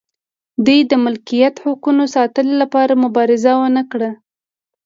دوی د ملکیت حقونو ساتلو لپاره مبارزه ونه کړه.